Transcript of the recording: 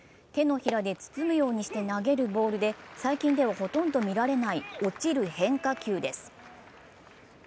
手のひらで包むようにして投げるボールで最近ではほとんど見られない落ちる変化球です。